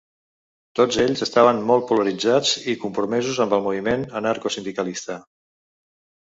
Tots ells estaven molt polititzats i compromesos amb el moviment anarco-sindicalista.